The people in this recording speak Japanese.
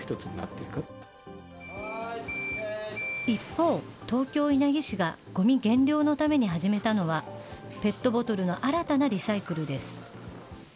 一方、東京・稲城市がごみ減量のために始めたのは、ペットボトルの新たなリサイクルです。